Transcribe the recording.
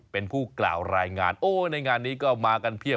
เป็นผู้กล่าวรายงานโอ้ในงานนี้ก็มากันเพียบ